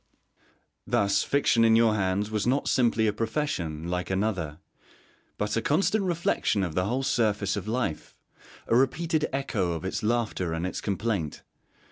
Thus fiction in your hands was not simply a profession, like another, but a constant reflection of the whole surface of life: a repeated echo of its laughter and its complaint.